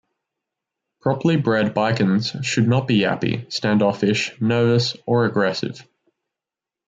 Properly bred bichons should not be yappy, stand-offish, nervous or aggressive.